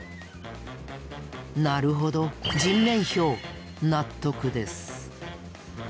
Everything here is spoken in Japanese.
なるほど人面豹納得です。